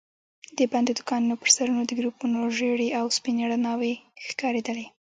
د بندو دوکانونو پر سرونو د ګروپونو ژېړې او سپينې رڼا وي ښکارېدلې.